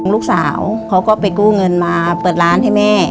ลูกสาวเขาก็ไปกู้เงินมาเปิดร้านให้แม่